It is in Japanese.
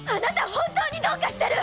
本当にどうかしてる！